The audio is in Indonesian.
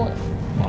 kayanya dia gak mau